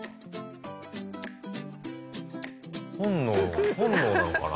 本能本能なのかな？